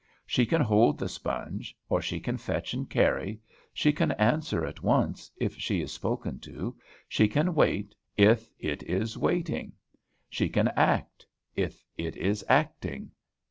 She can hold the sponge, or she can fetch and carry; she can answer at once if she is spoken to; she can wait, if it is waiting; she can act, if it is acting.